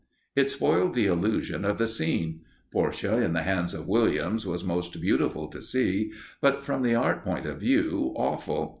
It spoiled the illusion of the scene. Portia, in the hands of Williams, was most beautiful to see, but, from the art point of view, awful.